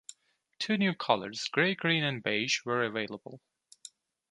Two new colours, grey-green and beige, were available.